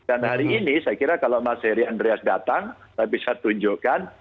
dan hari ini saya kira kalau mas heri andreas datang saya bisa tunjukkan